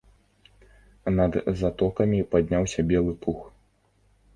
Над затокамі падняўся белы пух.